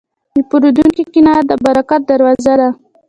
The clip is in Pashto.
د پیرودونکي قناعت د برکت دروازه ده.